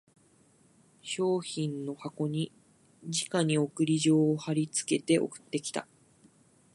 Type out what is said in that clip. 商品の箱にじかに送り状を張りつけて送ってきた